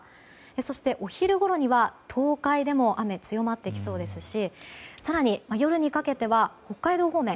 そして、お昼ごろには東海でも雨、強まってきそうで更に夜にかけては北海道方面